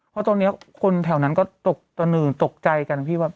เพราะตอนนี้คนแถวนั้นก็ตกใจกันพี่ว่า